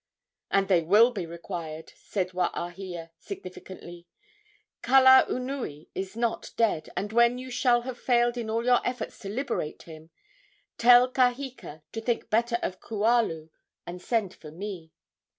"And they will be required," said Waahia, significantly. "Kalaunui is not dead, and when you shall have failed in all your efforts to liberate him, tell Kaheka to think better of Kualu and send for me."